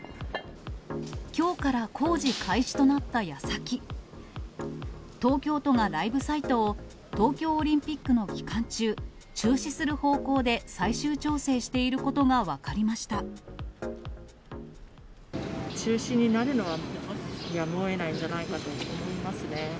きょうから工事開始となったやさき、東京都がライブサイトを東京オリンピックの期間中、中止する方向で最終調整していることが分中止になるのはやむをえないんじゃないかと思いますね。